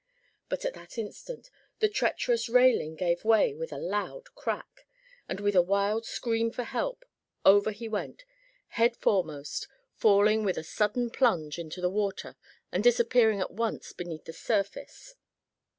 But at that instant the treacherous railing gave way with a loud crack, and with a wild scream for help, over he went, headforemost, falling with a sudden plunge into the water and disappearing at once beneath the surface.